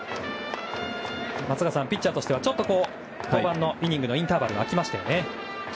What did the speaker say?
松坂さん、ピッチャーとしてはちょっとイニングにインターバルが空きましたね。